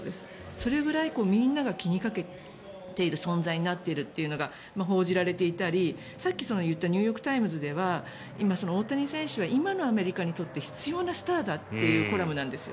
それぐらいみんなが気にかけている存在になっているというのが報じられていたりさっき言ったニューヨーク・タイムズでは今、大谷選手は今のアメリカにとって必要なスターだっていうコラムなんですよ。